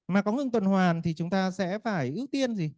mà có ngừng tuần hoàn thì chúng ta sẽ phải ưu tiên gì